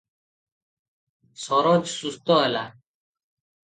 ସରୋଜ ସୁସ୍ଥ ହେଲା ।